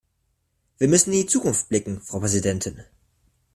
Wir müssen in die Zukunft blicken, Frau Präsidentin.